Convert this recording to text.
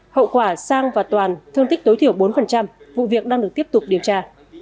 hậu quả sang và toàn thương tích tối thiểu bốn vụ việc đang được tiếp tục điều tra